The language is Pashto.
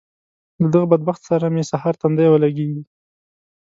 له دغه بدبخته سره مې سهار تندی ولګېږي.